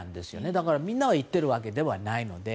だからみんな行ってるわけではないので。